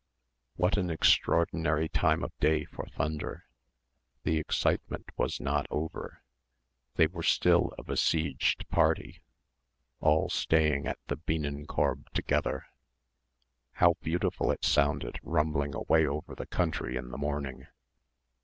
what an extraordinary time of day for thunder ... the excitement was not over ... they were still a besieged party ... all staying at the Bienenkorb together.... How beautiful it sounded rumbling away over the country in the morning.